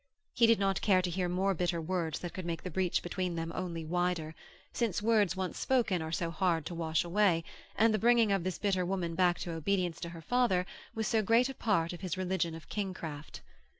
He did not care to hear more bitter words that could make the breach between them only wider, since words once spoken are so hard to wash away, and the bringing of this bitter woman back to obedience to her father was so great a part of his religion of kingcraft.